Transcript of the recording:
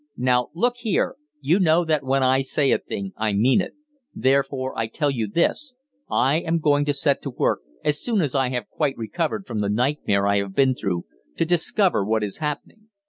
Now, look here, you know that when I say a thing I mean it. Therefore I tell you this I am going to set to work, as soon as I have quite recovered from the nightmare I have been through, to discover what is happening.